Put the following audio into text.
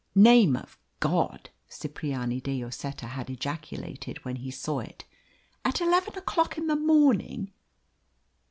"Name of God!" Cipriani de Lloseta had ejaculated when he saw it. "At eleven o'clock in the morning!"